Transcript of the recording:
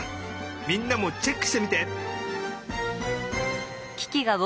みんなもチェックしてみて！